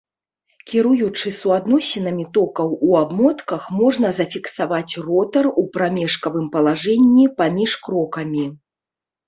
Кіруючы суадносінамі токаў у абмотках можна зафіксаваць ротар у прамежкавым палажэнні паміж крокамі.